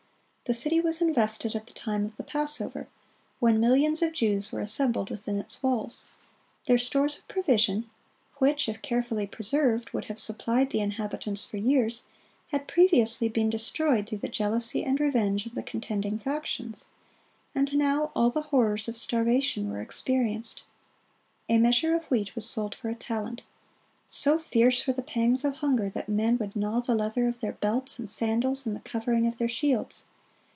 The city was invested at the time of the Passover, when millions of Jews were assembled within its walls. Their stores of provision, which if carefully preserved would have supplied the inhabitants for years, had previously been destroyed through the jealousy and revenge of the contending factions, and now all the horrors of starvation were experienced. A measure of wheat was sold for a talent. So fierce were the pangs of hunger that men would gnaw the leather of their belts and sandals and the covering of their shields.